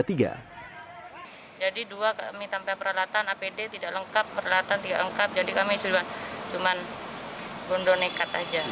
jadi dua kami tanpa peralatan apd tidak lengkap peralatan tidak lengkap jadi kami sudah cuma gondonekat saja